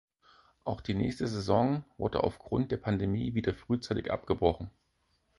Auch die nächste Saison wurde aufgrund der Pandemie wieder frühzeitig abgebrochen.